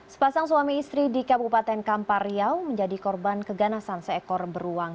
sepasang suami istri di kabupaten kampar riau menjadi korban keganasan seekor beruang